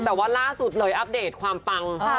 แต่ว่าล่าสุดเลยอัปเดตความปัง